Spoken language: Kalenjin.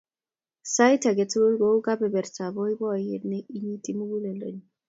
Sait ake tukul kou kepepertap poipoyet ne inyiti muguleldannyu.